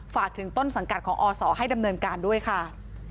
ฝากถึงต้นสังกัดของอศให้ดำเนินการด้วยค่ะ